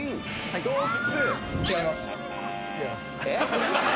洞窟。